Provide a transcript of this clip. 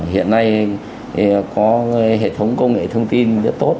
hiện nay có hệ thống công nghệ thông tin rất tốt